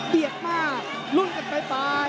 เปียกมากรุ่นกันไป